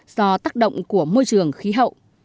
do tác động của môi trường khí hậu